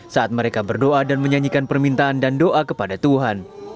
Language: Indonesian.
saat mereka berdoa dan menyanyikan permintaan dan doa kepada tuhan